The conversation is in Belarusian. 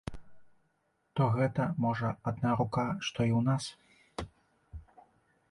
То гэта, можа, адна рука, што і ў нас!